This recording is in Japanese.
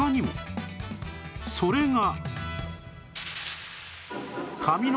それが